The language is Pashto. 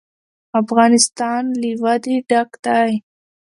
افغانستان له وادي ډک دی.